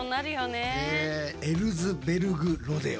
エルズベルグロデオ。